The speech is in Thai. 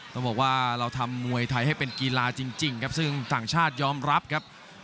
ต้องบอกว่าเราทำมวยไทยให้เป็นกีฬาจริงครับซึ่งต่างชาติยอมรับครับ